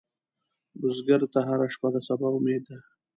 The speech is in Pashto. بزګر ته هره شپه د سبا امید ده